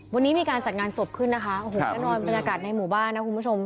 วันนี้มีการจัดงานศพขึ้นนะคะโอ้โหแน่นอนบรรยากาศในหมู่บ้านนะคุณผู้ชม